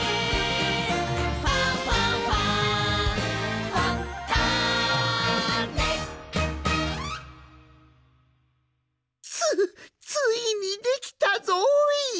「ファンファンファン」つついにできたぞい！